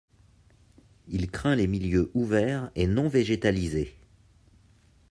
Il craint les milieux ouverts et non végétalisés.